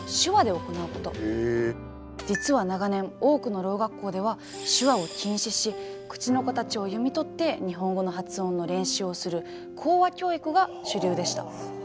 実は長年多くのろう学校では手話を禁止し口の形を読み取って日本語の発音の練習をする口話教育が主流でした。